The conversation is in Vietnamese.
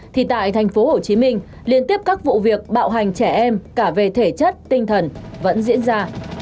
thì tại thành phố hồ chí minh liên tiếp các vụ việc bạo hành trẻ em cả về thể chất tinh thần vẫn diễn ra